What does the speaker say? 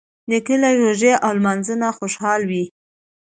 نیکه له روژې او لمانځه نه خوشحاله وي.